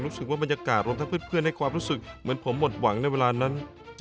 รู้สึกว่าบรรยากาศมองที่เพื่อนจนให้ความรู้สึกเหมือนผมหมดหวังไว้เวลานั้น